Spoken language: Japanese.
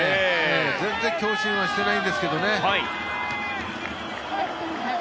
全然強振はしてないんですけどね。